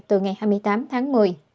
từ ngày hai mươi tám tháng một mươi